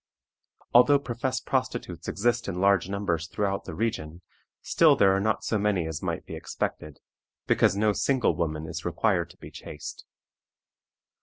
Although professed prostitutes exist in large numbers throughout the region, still there are not so many as might be expected, because no single woman is required to be chaste.